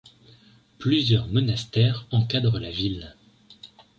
Plusieurs monastères encadrent la ville.